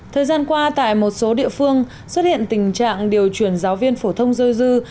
thời gian qua tại một số địa phương xuất hiện tình trạng điều chuyển giáo viên phổ thông dôi dư